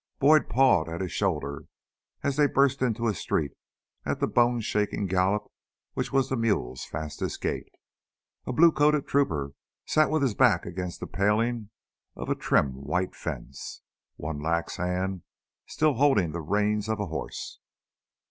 Boyd pawed at his shoulder as they burst into a street at the bone shaking gallop which was the mule's fastest gait. A blue coated trooper sat with his back against the paling of a trim white fence, one lax hand still holding the reins of a horse.